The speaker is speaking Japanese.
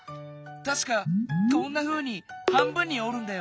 たしかこんなふうに半分におるんだよね。